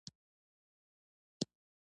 د فلمونو نندارې خلک راټولوي.